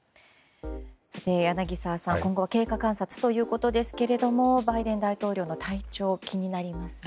柳澤さん今後は経過観察ということですがバイデン大統領の体調気になりますね。